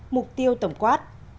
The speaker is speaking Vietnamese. hai mục tiêu tổng quát